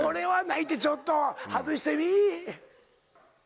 ちょっと外してみ？